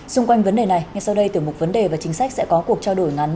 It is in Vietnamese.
xung quanh vấn đề này ngay sau đây tiểu mục vấn đề và chính sách sẽ có cuộc trao đổi ngắn